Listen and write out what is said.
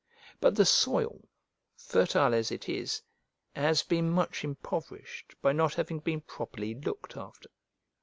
But the soil, fertile as it is, has been much impoverished by not having been properly looked after.